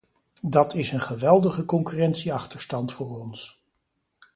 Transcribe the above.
Dat is een geweldige concurrentieachterstand voor ons.